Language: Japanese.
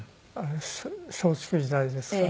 松竹時代ですから。